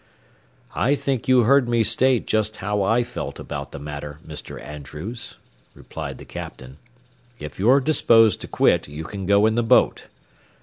"I think you heard me state just how I felt about the matter, Mr. Andrews," replied the captain. "If you're disposed to quit, you can go in the boat."